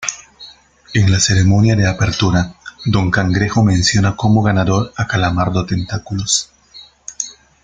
En la ceremonia de apertura, don Cangrejo menciona como ganador a Calamardo Tentáculos.